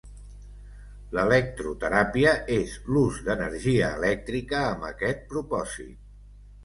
L'electroteràpia és l'ús d'energia elèctrica amb aquest propòsit.